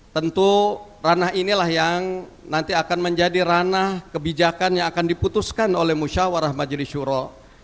tentu ranah inilah yang nanti akan menjadi ranah kebijakan yang akan diputuskan oleh musyawarah majelis syuro